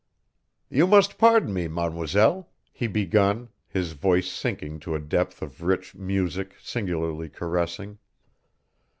"You must pardon me, mademoiselle," he begun, his voice sinking to a depth of rich music singularly caressing.